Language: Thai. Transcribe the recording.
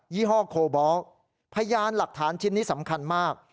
ี่ห้อโคบอลพยานหลักฐานชิ้นนี้สำคัญมาก